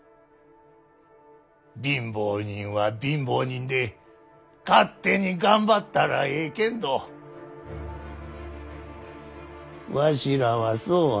貧乏人は貧乏人で勝手に頑張ったらえいけんどわしらはそうはいかんやろう。